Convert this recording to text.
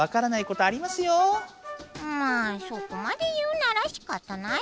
まあそこまで言うならしかたないぽよ。